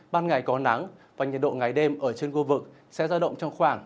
ban ngày có nắng và nhiệt độ ngày đêm ở trên khu vực sẽ ra động trong khoảng